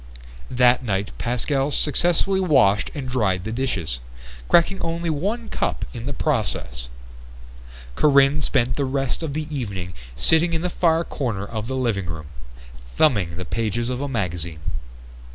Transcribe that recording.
That night Pascal successfully washed and dried the dishes, cracking only one cup in the process. Corinne spent the rest of the evening sitting in the far corner of the living room, thumbing the pages of a magazine.